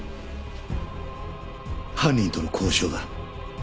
犯人との交渉だ。